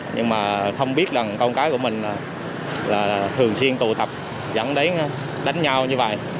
nhưng mà không biết rằng con cái của mình là thường xuyên tụ tập dẫn đến đánh nhau như vậy